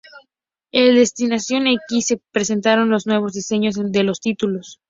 En Destination X, se presentaron los nuevos diseños de los títulos.